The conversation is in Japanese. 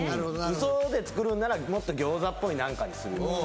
ウソで作るんならもっと餃子っぽい何かにするよね